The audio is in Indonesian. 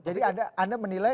jadi anda menilai